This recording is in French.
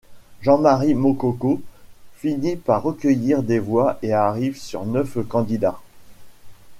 Jean-Marie Mokoko finit par recueillir des voix et arrive sur neuf candidats.